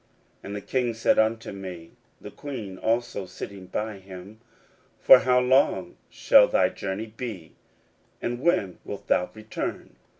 16:002:006 And the king said unto me, (the queen also sitting by him,) For how long shall thy journey be? and when wilt thou return?